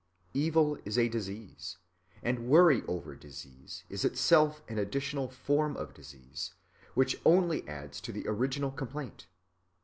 Evil is a disease; and worry over disease is itself an additional form of disease, which only adds to the original complaint.